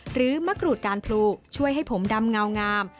มะกรูดการพลูช่วยให้ผมดำเงางาม